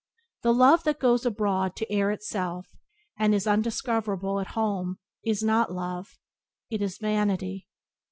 The love that goes abroad to air itself, and is undiscoverable at home, is not love — it is vanity.